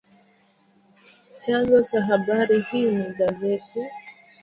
Chanzo cha habari hii ni gazeti la